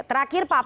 terakhir pak pandu